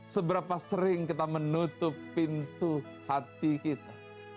seberapa sering kita menutup pintu hati kita